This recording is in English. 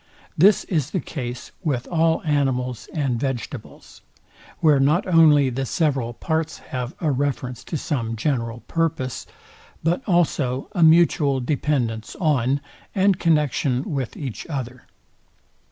This is the case with all animals and vegetables; where not only the several parts have a reference to some general purpose, but also a mutual dependence on, and connexion with each other.